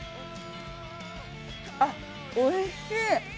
あっ、おいしい。